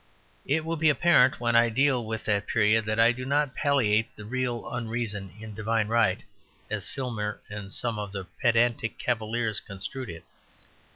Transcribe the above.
It will be apparent, when I deal with that period, that I do not palliate the real unreason in divine right as Filmer and some of the pedantic cavaliers construed it.